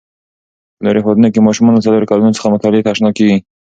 په نورو هیوادو کې ماشومان له څلورو کلونو څخه مطالعې ته آشنا کېږي.